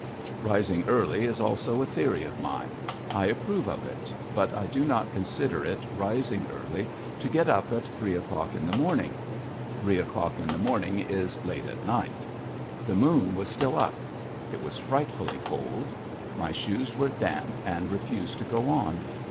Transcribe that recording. Rising early is also a theory of mine. I approve of it. But I do not consider it rising early to get up at three o'clock in the morning. Three o'clock in the morning is late at night. The moon was still up. It was frightfully cold. My shoes were damp and refused to go on.